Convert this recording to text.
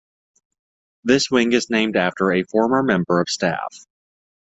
This wing is named after a former member of staff.